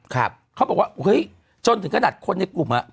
เขาบอกว่าเฮ้ยจนถึงขนาดคนในกลุ่มอ่ะ